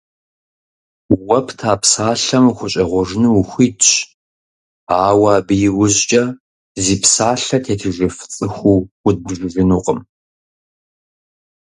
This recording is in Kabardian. Уэ пта псалъэм ухущӀегъуэжыну ухуитщ, ауэ абы и ужькӀэ зи псалъэ тетыжыф цӀыхуу удбжыжынукъым.